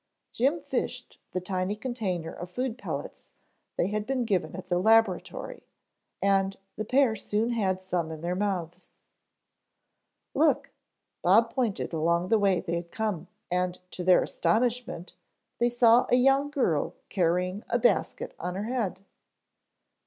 Jim fished the tiny container of food pellets they had been given at the laboratory, and the pair soon had some in their mouths. "Look," Bob pointed along the way they had come and to their astonishment they saw a young girl carrying a basket on her head.